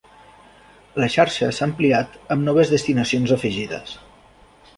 La xarxa s"ha ampliat amb noves destinacions afegides.